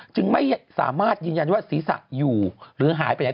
จึงไม่สามารถยืนยันว่าศีรษะอยู่หรือหายไปไหน